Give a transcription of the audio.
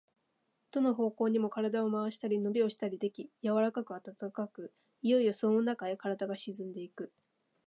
どの方向にも身体を廻したり、のびをしたりでき、柔かく暖かく、いよいよそのなかへ身体が沈んでいく。